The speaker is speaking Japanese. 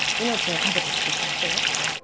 命をかけて救った人よ